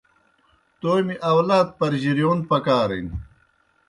تومیْ آؤلات پرجِرِیون پکارِن۔